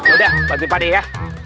udah peti peti ya